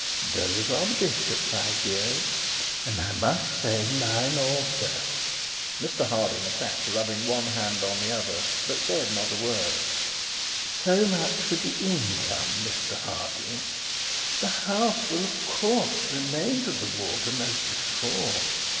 Those are the bishop's ideas, and I must say mine also.' Mr Harding sat rubbing one hand on the other, but said not a word. 'So much for the income, Mr Harding. The house will, of course, remain to the warden as before.